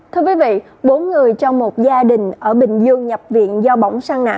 thưa quý vị bốn người trong một gia đình ở bình dương nhập viện